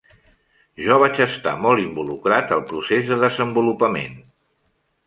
Jo vaig estar molt involucrat al procés de desenvolupament.